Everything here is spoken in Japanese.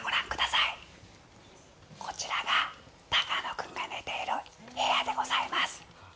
こちらが高野君が寝ている部屋でございます。